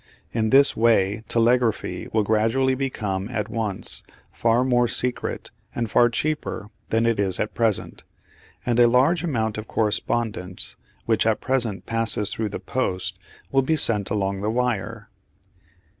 In this way telegraphy will gradually become at once far more secret and far cheaper than it is at present, and a large amount of correspondence which at present passes through the post will be sent along the wire.